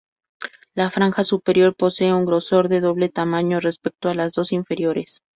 La franja superior posee un grosor de doble tamaño respecto a las dos inferiores.